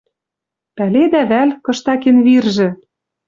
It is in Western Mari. Пӓледӓ вӓл, кыштакен виржӹ?